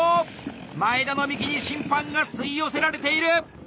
前田の幹に審判が吸い寄せられている！